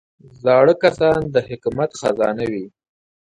زاړه کسان د حکمت خزانه وي